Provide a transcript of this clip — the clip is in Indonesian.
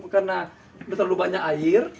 karena terlalu banyak air